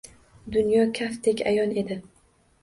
Dunyo kaftdek ayon edi